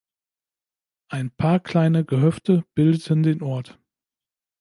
Ein paar kleine Gehöfte bildeten den Ort.